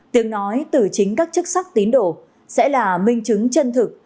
tiếng nói từ chính các chức sắc tín đổ sẽ là minh chứng chân thực